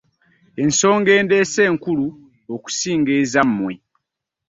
Ensonga endeese nkulu okusinga ezammwe.